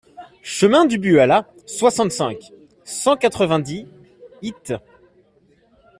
Chemin du Buala, soixante-cinq, cent quatre-vingt-dix Hitte